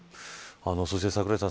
そして、櫻井さん